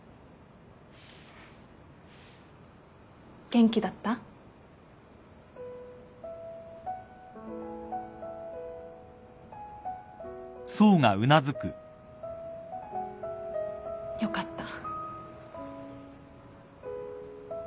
元気だった？よかった。